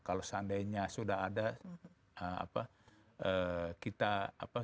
kalau seandainya sudah ada